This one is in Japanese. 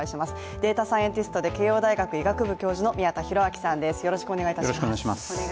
データサイエンティストで慶応大学医学部教授の宮田裕章さんです、よろしくお願いします。